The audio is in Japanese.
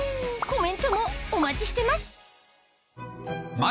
コメントもお待ちしてます